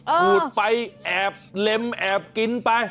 ขูดไปแอบเล็มแอบกินไป